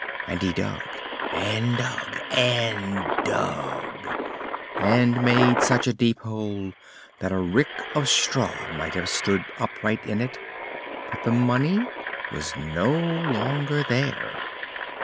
And he dug, and dug, and dug, and made such a deep hole that a rick of straw might have stood upright in it, but the money was no longer there.